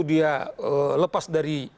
dia lepas dari